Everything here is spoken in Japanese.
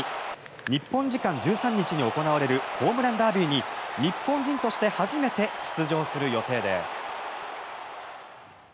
日本時間１３日に行われるホームランダービーに日本人として初めて出場する予定です。